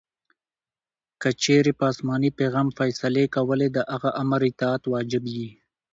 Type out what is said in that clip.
کې چیري په اسماني پیغام فیصلې کولې؛ د هغه آمر اطاعت واجب يي.